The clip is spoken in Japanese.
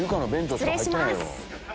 失礼します。